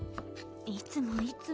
いつもいつも。